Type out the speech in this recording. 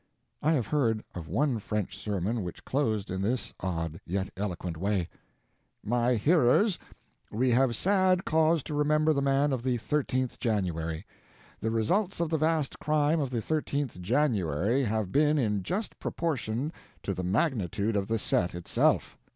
I have heard of one French sermon which closed in this odd yet eloquent way: My hearers, we have sad cause to remember the man of the 13th January. The results of the vast crime of the 13th January have been in just proportion to the magnitude of the set itself.